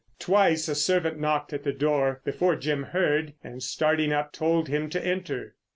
Twice a servant knocked at the door before Jim heard, and starting up told him to enter.